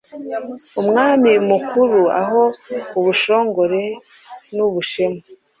Umwami mukura ho ubushongore n’ubushema,